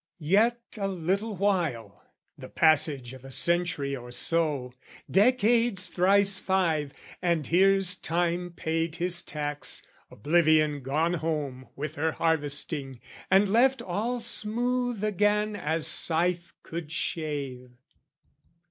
Yet, a little while, The passage of a century or so, Decads thrice five, and here's time paid his tax, Oblivion gone home with her harvesting, And left all smooth again as scythe could shave.